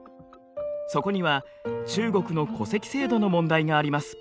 そこには中国の戸籍制度の問題があります。